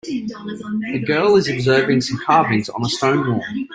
A girl is observing some carvings on a stone wall.